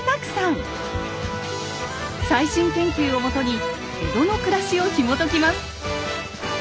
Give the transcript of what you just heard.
最新研究をもとに江戸の暮らしをひもときます。